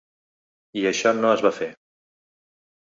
I això no es va fer.